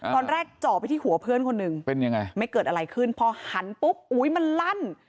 ตอนแรกเจาะไปที่หัวเพื่อนคนนึงไม่เกิดอะไรขึ้นพอหันปุ๊บมันลั่น